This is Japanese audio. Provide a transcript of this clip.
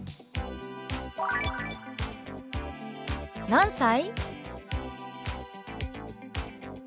「何歳？」。